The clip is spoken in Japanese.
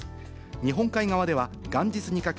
日本海側では、元日にかけ、